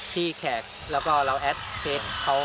ที่แขกแล้วก็เราแอดเฟสเขา